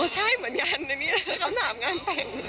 อ๋อใช่เหมือนกันคำถามงานแปลง